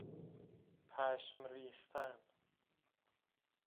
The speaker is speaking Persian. پشم ریختن